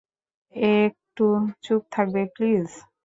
একটু চুপ থাকবে, প্লিজ?